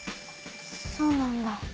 そうなんだ。